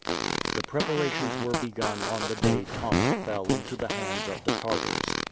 The preparations were begun on the day Tomsk fell into the hands of the Tartars.